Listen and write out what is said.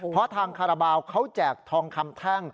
เพราะทางคาราบาลเขาแจกทองคำแท่ง